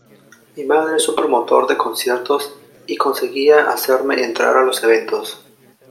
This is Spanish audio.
Mi padre es un promotor de conciertos y conseguía hacerme entrar a los eventos.